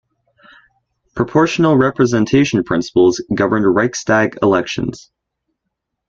Proportional representation principles governed Reichstag elections.